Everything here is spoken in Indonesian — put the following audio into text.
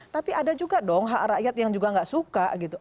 tapi ada juga dong hak rakyat yang juga nggak suka gitu